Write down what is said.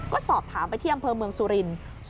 ก็สอบถามไปที่อำเภอเมืองสุรินทร์